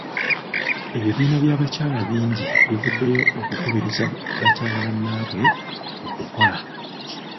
Ebibiina by'abakyala bingi bivuddeyo okukubiriza bakyala bannabwe okukola.